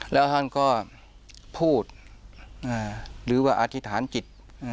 แล้วท่านก็พูดหรือว่าอธิษฐานจิต